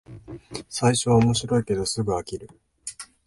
最初は面白いけどすぐ飽きる